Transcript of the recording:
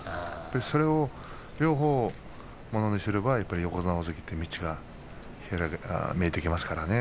それを両方ものにすればやっぱり横綱、大関という道が見えてきますからね。